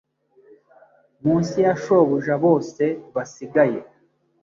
Munsi ya shobuja bose basigaye